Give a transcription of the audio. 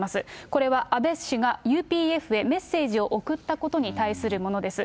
これは、安倍氏がＵＰＦへメッセージを送ったことに対するものです。